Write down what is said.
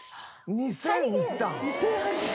２０００いったん？